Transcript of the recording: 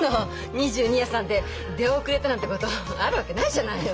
２２や３で出遅れたなんてことあるわけないじゃないの！